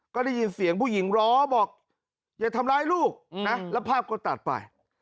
ก็ได้ยินเสียงผู้หญิงร้องบอกอย่าทำร้ายลูกนะแล้วภาพก็ตัดไป